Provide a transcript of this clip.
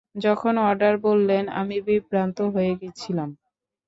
যখন অর্ডার বললেন, আমি বিভ্রান্ত হয়ে গেছিলাম।